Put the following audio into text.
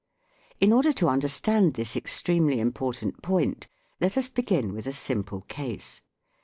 In order to understand this extremely important point let us begin with a simple case.